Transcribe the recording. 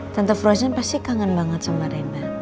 tante frozen pasti kangen banget sama reinhard